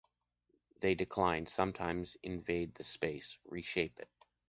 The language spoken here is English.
They decline, sometimes invade the space, reshape it.